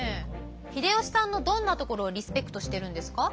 秀吉さんのどんなところをリスペクトしてるんですか？